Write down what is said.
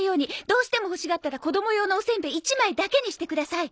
どうしても欲しがったら子供用のおせんべい１枚だけにしてください。